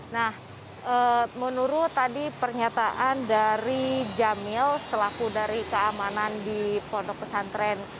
nah menurut tadi pernyataan dari jamil selaku dari keamanan di pondok pesantren